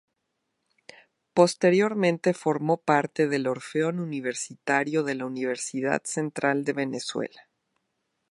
Posteriormente formó parte del Orfeón Universitario de la Universidad Central de Venezuela.